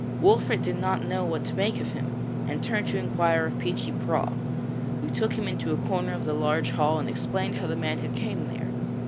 Wolfert did not know what to make of him, and turned to inquire of Peechy Prauw, who took him into a corner of the large hall and explained how the man came there.